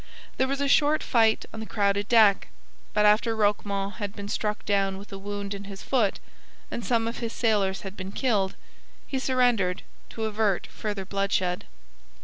There was a short fight on the crowded deck; but after Roquemont had been struck down with a wound in his foot and some of his sailors had been killed, he surrendered to avert further bloodshed.